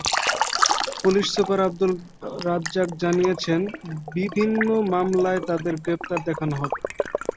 Police super Abdur Razzak জানিয়েছেন, বিভিন্ন মামলায় তাঁদের গ্রেপ্তার দেখানো হবে।